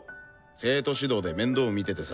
生徒指導で面倒見ててさ。